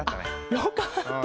よかった。